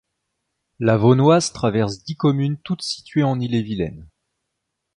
La Vaunoise traverse dix communes toutes situées en Ille-et-Vilaine.